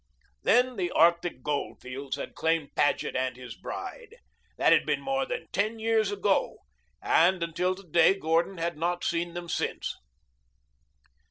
Then the Arctic gold fields had claimed Paget and his bride. That had been more than ten years ago, and until to day Gordon had not seen them since.